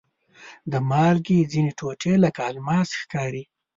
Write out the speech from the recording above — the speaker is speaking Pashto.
د مالګې ځینې ټوټې لکه الماس ښکاري.